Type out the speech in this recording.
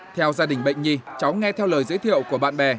theo gia đình bệnh nhi cháu nghe theo lời giới thiệu của bạn bè